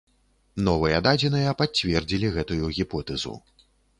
Новыя дадзеныя пацвердзілі гэтую гіпотэзу.